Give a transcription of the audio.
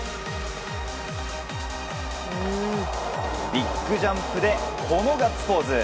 ビッグジャンプでこのガッツポーズ。